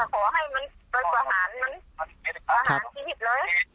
แต่ขอให้มันก็ประหารพระหารชีวิตเลย